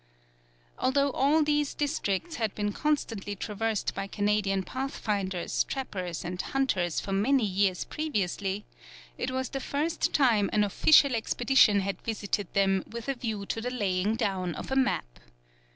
Although all these districts had been constantly traversed by Canadian pathfinders, trappers, and hunters for many years previously, it was the first time an official expedition had visited them with a view to the laying down of a map.